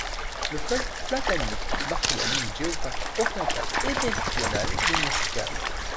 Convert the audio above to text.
Le fleuve Platani marque la limite géographique orientale et méridionale des monts Sicanes.